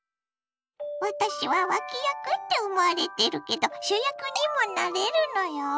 「私は脇役って思われてるけど主役にもなれるのよ」。